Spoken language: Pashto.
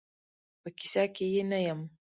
په کیسه کې یې نه یم.